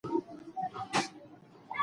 که موږ په پښتو پوه شو، نو خبرې به سمې وي.